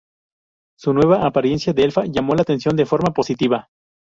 Su nueva apariencia de elfa llamó la atención de forma positiva.